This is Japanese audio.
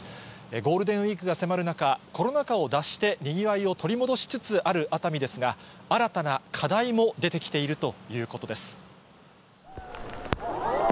ゴールデンウィークが迫る中、コロナ禍を脱してにぎわいを取り戻しつつある熱海ですが、新たな課題も出てきているということです。